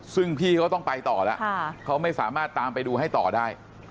ซึ่งพี่เขาต้องไปต่อแล้วเขาไม่สามารถตามไปดูให้ต่อได้